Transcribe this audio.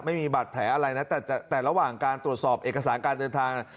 ไม่มีบาดแผลอะไรนะแต่ระหว่างการตรวจสอบเอกสารการเดินทาง